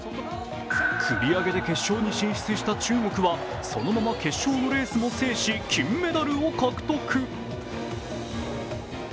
繰り上げで決勝に進出した中国はそのまま決勝も制し金メダルを獲得。